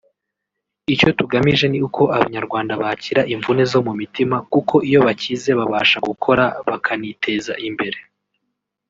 Icyo tugamije ni uko abanyarwanda bakira imvune zo mu mutima kuko iyo bakize babasha gukora bakaniteza imbere